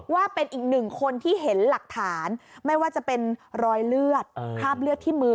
ว่าเป็นอีกหนึ่งคนที่เห็นหลักฐานไม่ว่าจะเป็นรอยเลือดคราบเลือดที่มือ